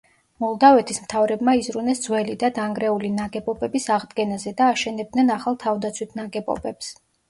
მოლდავეთის მთავრებმა იზრუნეს ძველი და დანგრეული ნაგებობების აღდგენაზე და აშენებდნენ ახალ თავდაცვით ნაგებობებს.